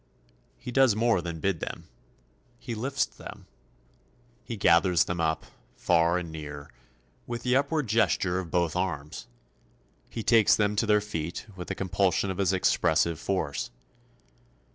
He does more than bid them. He lifts them, he gathers them up, far and near, with the upward gesture of both arms; he takes them to their feet with the compulsion of his expressive force.